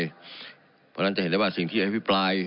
เพราะฉะนั้นจะเห็นได้ว่าสิ่งที่อภิปราย